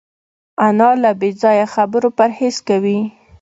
انا له بېځایه خبرو پرهېز کوي